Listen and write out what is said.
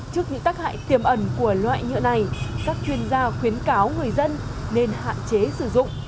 trước những tác hại tiềm ẩn của loại nhựa này các chuyên gia khuyến cáo người dân nên hạn chế sử dụng